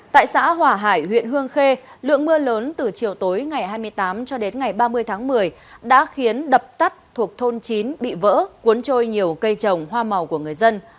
tại xã hỏa hải huyện hương khê lượng mưa lớn từ chiều tối ngày hai mươi tám cho đến ngày ba mươi tháng một mươi đã khiến đập tắt thuộc thôn chín bị vỡ cuốn trôi nhiều cây trồng hoa màu của người dân